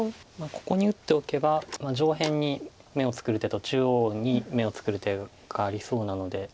ここに打っておけば上辺に眼を作る手と中央に眼を作る手がありそうなので。